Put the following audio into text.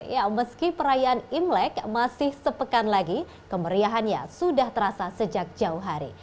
ya meski perayaan imlek masih sepekan lagi kemeriahannya sudah terasa sejak jauh hari